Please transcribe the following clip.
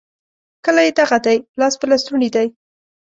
کلی دغه دی؛ لاس په لستوڼي دی.